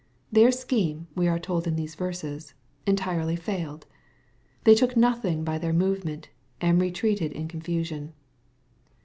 Their scheme, we are told in these verses, entirely failed. They took nothing by their movement, and retreated in confu sion.